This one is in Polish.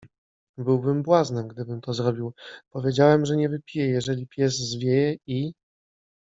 - Byłbym błaznem, gdybym to zrobił. Powiedziałem, że nie wypiję, jeżeli pies zwieje - i